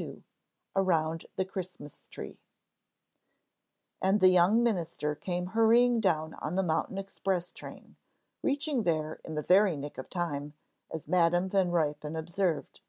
XXII AROUND THE CHRISTMAS TREE And the young minister came hurrying down on the mountain express train, reaching there in the "very nick of time," as Madam Van Ruypen observed.